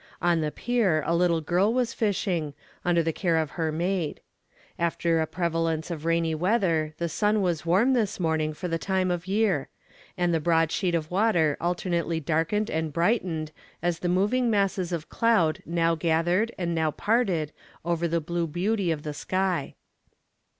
On the pier a little girl was fishing, under the care of her maid. After a prevalence of rainy weather, the sun was warm this morning for the time of year; and the broad sheet of water alternately darkened and brightened as the moving masses of cloud now gathered and now parted over the blue beauty of the sky.